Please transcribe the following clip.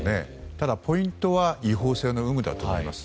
ただポイントは違法性の有無だと思います。